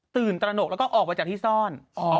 ตระหนกแล้วก็ออกมาจากที่ซ่อน